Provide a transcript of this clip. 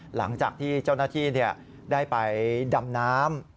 หลังจากที่เจ้าหน้าที่ได้ไปดำน้ำ